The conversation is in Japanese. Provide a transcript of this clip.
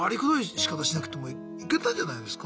しかたしなくてもいけたんじゃないですか？